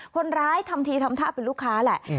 คนร้ายทำทีทำท่าเป็นลูกค้าแหละ